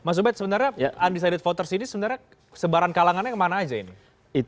mas ubed sebenarnya undecided voters ini sebenarnya sebaran kalangannya kemana aja ini